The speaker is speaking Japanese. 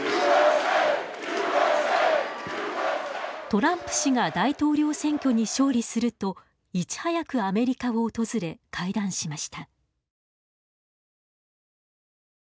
トランプ氏が大統領選挙に勝利するといち早くアメリカを訪れ会談しました。